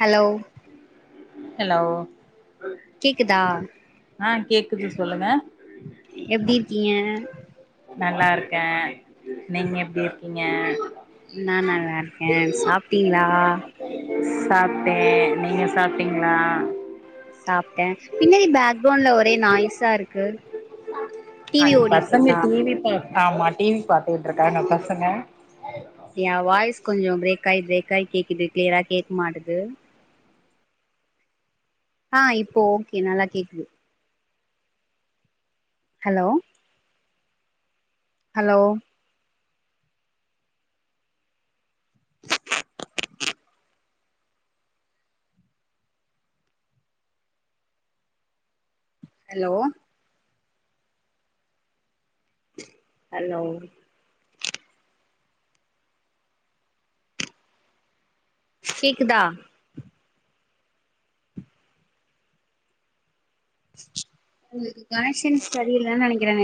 hello hello கேக்குதா ஆ கேக்குது சொல்லுங்க எப்டி இருக்கீங்க நல்லாருக்கே நீங்க எப்டி இருக்கீங்க நா நல்லா இருக்கே சாப்ட்டீங்ளா சாப்ட்டே நீங்க சாப்ட்டீங்ளா சாப்ட்டே பின்னாடி பேக்ரவுண்ட்ல ஒரே நாய்ஸா இருக்கு அ டிவி ஓடிட்டு பசங்க இருக்கா டீவி பாத்தா ஆமா டிவி பாத்துட்ருகாங்க பசங்க யா வாய்ஸ் கொஞ்சோ பிரேக் ஆயி பிரேக் ஆயி கேக்குது கிளியரா கேக்க மாட்டுது ஆ இப்போ ஓகே நல்லா கேக்குது ஹலோ ஹலோ ஹலோ ஹலோ கேக்குதா உங்ளுக்கு கனைக்ஷன் சரியில்லன் நெனைக்கிறங்க